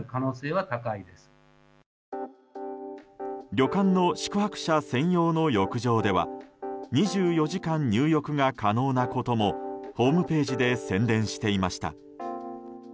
旅館の宿泊者専用の浴場では２４時間、入浴が可能なこともホームページで宣伝していました。